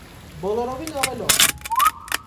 - Բոլորովին ավելորդ է: